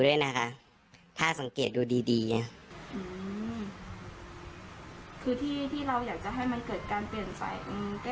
ด้วยนะคะถ้าสังเกตดูดีดีอืมคือที่ที่เราอยากจะให้มันเกิด